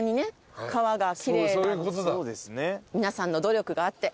皆さんの努力があって。